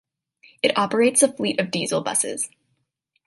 It operates a fleet of diesel buses.